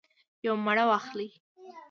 یوه مڼه واخلئ